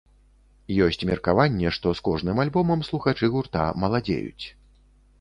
Ёсць меркаванне, што з кожным альбомам слухачы гурта маладзеюць.